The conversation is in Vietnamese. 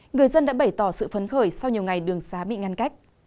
người dân đã bày tỏ sự phấn khởi sau nhiều ngày đường xá bị ngăn cách